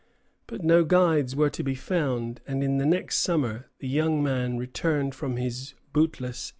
But no guides were to be found, and in the next summer the young man returned from his bootless errand.